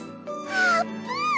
あーぷん！